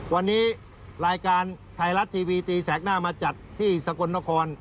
วันนี้รายการไทยรัฐทีวีตีแสกหน้ามาจัดที่สกลนคร